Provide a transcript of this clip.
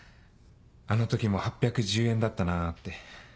あの時も８１０円だったなって。